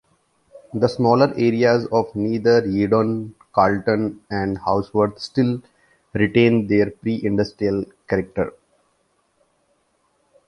The smaller areas of Nether Yeadon, Carlton, and Hawksworth still retain their pre-industrial character.